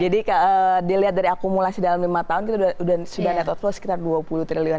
jadi dilihat dari akumulasi dalam lima tahun kita sudah net outflow sekitar dua puluh triliun